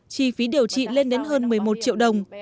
chi phí điều trị lên đến hơn một mươi một triệu đồng